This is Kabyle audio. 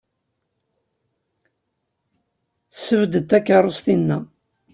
Ssebded takeṛṛust-inna.